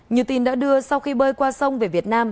như tin đã đưa sau khi bơi qua sông về việt nam